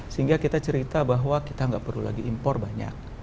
sehingga kita cerita bahwa kita nggak perlu lagi impor banyak